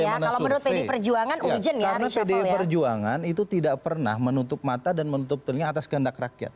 karena pd perjuangan itu tidak pernah menutup mata dan menutup telinga atas gendak rakyat